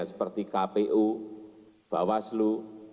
seperti kpu bawaslu